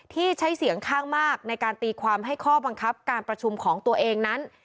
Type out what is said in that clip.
ที่ใช้เสียงข้างมากในการตีความให้ข้อบังคับการประชุมของตัวเองนั้น